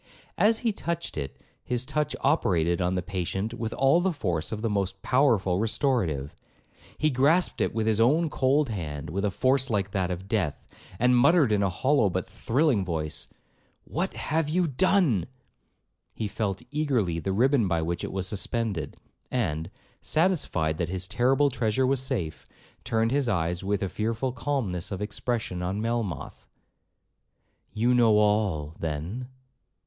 As he touched it, his touch operated on the patient with all the force of the most powerful restorative. He grasped it with his own cold hand with a force like that of death, and muttered in a hollow but thrilling voice, 'What have you done?' He felt eagerly the ribbon by which it was suspended, and, satisfied that his terrible treasure was safe, turned his eyes with a fearful calmness of expression on Melmoth, 'You know all, then?'